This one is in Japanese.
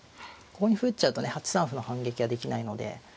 ここに歩打っちゃうとね８三歩の反撃はできないので。